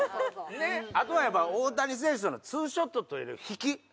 あとはやっぱり大谷選手とのツーショットという引き。